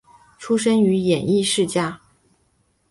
出身于演艺世家。